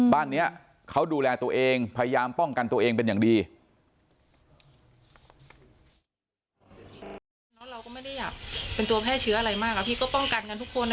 เป็นตัวแพร่เชื้ออะไรมากพี่ก็ป้องกันกันทุกคน